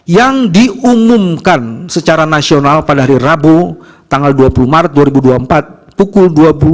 yang diumumkan secara nasional pada hari rabu tanggal dua puluh maret dua ribu dua puluh empat pukul dua puluh dua